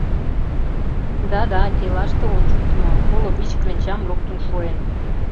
— Да-да, делаште ончыктымо: коло вич кленчам луктын шуэн.